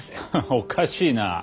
おかしいなあ。